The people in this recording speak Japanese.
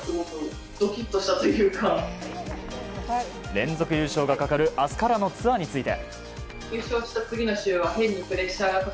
連続優勝がかかる明日からのツアーについて。